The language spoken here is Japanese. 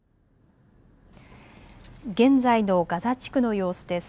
現在のガザ地区の様子です。